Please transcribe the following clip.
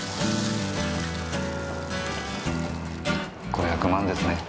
５００万ですね。